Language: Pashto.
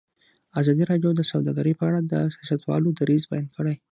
ازادي راډیو د سوداګري په اړه د سیاستوالو دریځ بیان کړی.